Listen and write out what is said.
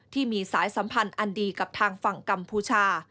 ที่มีสายสัมพันธ์อันดีกับทางฝั่งกัมพูชา